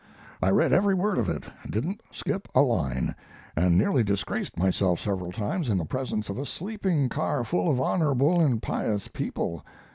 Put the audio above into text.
I read every word of it, didn't skip a line, and nearly disgraced myself several times in the presence of a sleeping car full of honorable and pious people.